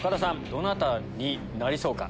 どなたになりそうか。